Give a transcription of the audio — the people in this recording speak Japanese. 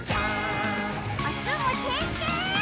おつむてんてん！